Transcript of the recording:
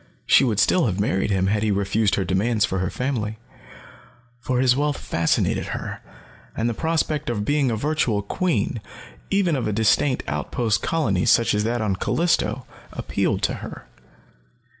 She would still have married him had he refused her demands for her family. For his wealth fascinated her, and the prospect of being a virtual queen, even of a distant outpost colony such as that on Callisto, appealed to her.